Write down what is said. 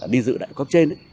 đi dự đại quốc trên